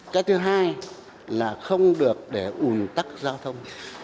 cái thứ hai là không được để ủn tắc giao thông